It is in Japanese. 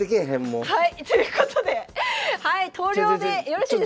はいということで投了でよろしいですか？